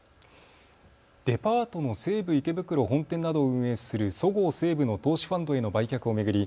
デパートの西武池袋本店などを運営するそごう・西武の投資ファンドへの売却を巡り